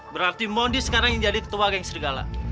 berarti mondi sekarang yang jadi ketua geng serigala